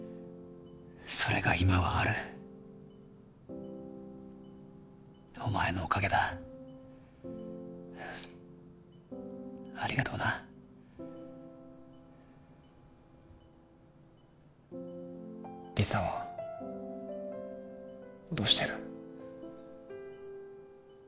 それが今はあるお前のおかげだありがとな理紗はどうしてる？